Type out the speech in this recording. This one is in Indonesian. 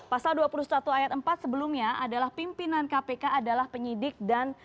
pasal dua puluh satu ayat empat sebelumnya adalah pimpinan kpk adalah penyidik dan